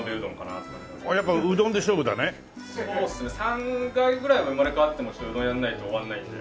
３回ぐらいは生まれ変わってもうどんやらないと終われないんで。